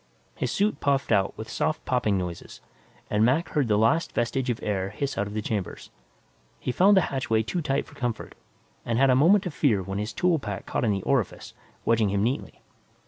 His suit puffed out with soft popping noises and Mac heard the last vestige of air hiss out of the chamber. He found the hatchway too tight for comfort and had a moment of fear when his tool pack caught in the orifice, wedging him neatly.